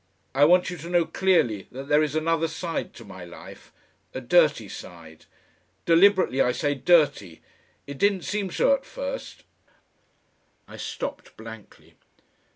I want you to know clearly that there is another side to my life, a dirty side. Deliberately I say, dirty. It didn't seem so at first " I stopped blankly.